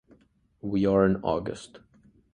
We are in August.